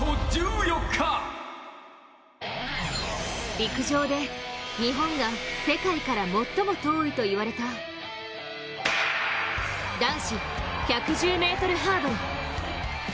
陸上で日本が世界から最も遠いと言われた、男子１１０ｍハードル。